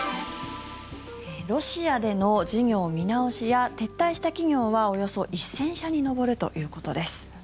ロシアでの事業見直しや撤退した企業はおよそ１０００社に上るということです。